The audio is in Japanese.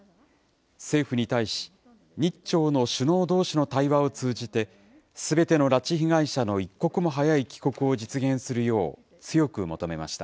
政府に対し、日朝の首脳どうしの対話を通じて、すべての拉致被害者の一刻も早い帰国を実現するよう強く求めました。